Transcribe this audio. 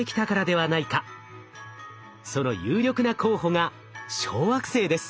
その有力な候補が小惑星です。